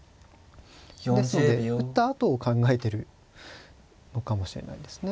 ですので打ったあとを考えてるのかもしれないですね。